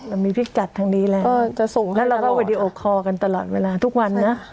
แล้วก็มีพิกัดทางนี้แหละก็จะส่งให้ตลอดแล้วเราก็วิดีโอคอล์กันตลอดเวลาทุกวันนะ